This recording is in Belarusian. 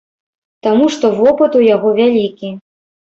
Таму што вопыт у яго вялікі.